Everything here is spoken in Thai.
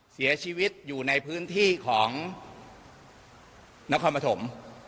เสียชีวิตอยู่ในพื้นที่ของนครปฐม